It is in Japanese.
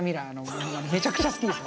めちゃくちゃ好きです。